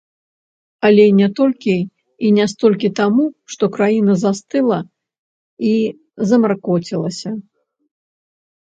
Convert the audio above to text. Але не толькі і не столькі таму, што краіна застыла і замаркоцілася.